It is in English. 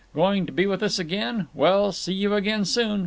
Going to be with us again? Well, see you again soon.